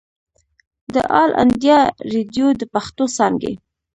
د آل انډيا ريډيو د پښتو څانګې